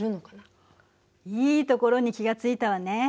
いいところに気が付いたわね。